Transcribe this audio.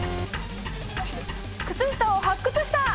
靴下を発掘した。